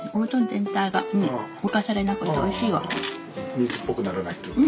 水っぽくならないというか。